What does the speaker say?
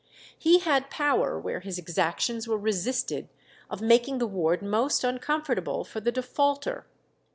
He had power where his exactions were resisted of making the ward most uncomfortable for the defaulter.